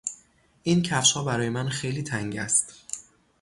این کفشها برای من خیلی تنگ است.